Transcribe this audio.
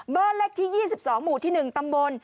เบอร์เล็กที่๒๒หมู่ที่๑ตำบล